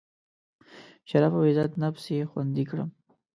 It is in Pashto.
شرف او عزت نفس یې خوندي کړم.